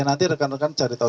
nanti rekan rekan cari tahu